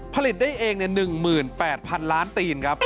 ผลิตได้เอง๑หมื่นแปดพันล้านปกติ